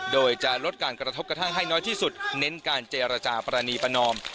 โดยจะลดการกระทบกระทั่งให้น้อยที่สุดเน้นการเจรจาปรณีประนอม